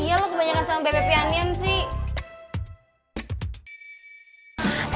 iya lo kebanyakan sama bebe pianian sih